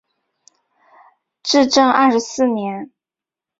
至正二十四年。